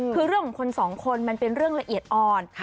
คือเรื่องของคนสองคนมันเป็นเรื่องละเอียดอ่อน